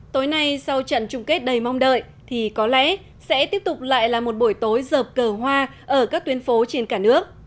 tối nay sau trận chung kết đầy mong đợi thì có lẽ sẽ tiếp tục lại là một buổi tối rợp cờ hoa ở các tuyến phố trên cả nước